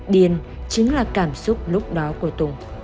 điên chính là cảm xúc lúc đó của tùng